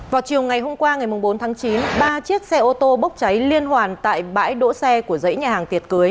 vào chiều ngày hôm qua ngày bốn tháng chín ba chiếc xe ô tô bốc cháy liên hoàn tại bãi đỗ xe của dãy nhà hàng tiệc cưới